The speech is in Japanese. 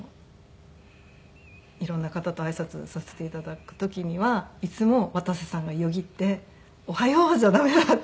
色んな方と挨拶させて頂く時にはいつも渡瀬さんがよぎって「おはよう！」じゃ駄目だって。